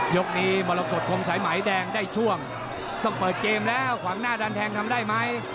ยกนี้มรกฏคงสายไหมแดงได้ช่วงต้องเปิดเกมแล้วขวางหน้าดันแทงทำได้ไหม